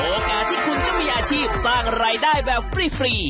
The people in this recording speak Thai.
โอกาสที่คุณจะมีอาชีพสร้างรายได้แบบฟรี